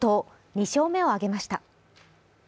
２勝目を挙げました。